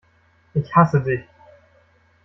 Ich hasse dich!